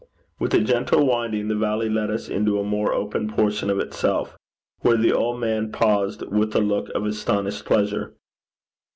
With a gentle winding, the valley led us into a more open portion of itself, where the old man paused with a look of astonished pleasure.